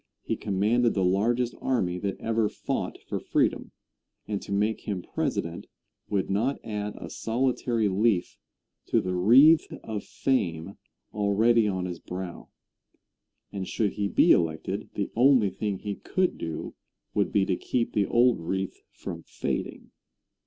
He commanded the largest army that ever fought for freedom, and to make him President would not add a solitary leaf to the wreath of fame already on his brow; and should he be elected, the only thing he could do would be to keep the old wreath from fading.